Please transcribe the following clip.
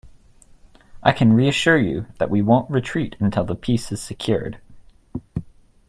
I can reassure you, that we won't retreat until the peace is secured.